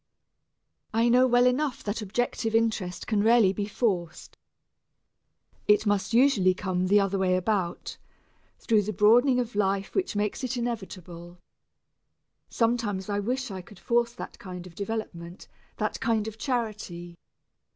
I know well enough that objective interest can rarely be forced it must usually come the other way about through the broadening of life which makes it inevitable. Sometimes I wish I could force that kind of development, that kind of charity.